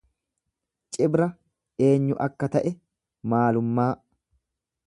Cibra eenyu akka ta'e, maalummaa.